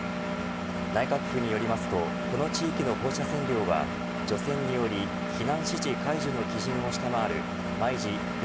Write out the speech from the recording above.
内閣府によりますとこの地域の放射線量は除染により避難指示解除の基準を下回る毎時０．８５